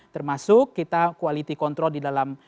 termasuk kita quality control di dalam